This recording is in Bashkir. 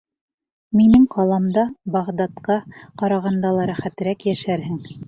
Минең ҡаламда Бағдадҡа ҡарағанда ла рәхәтерәк йәшәрһең.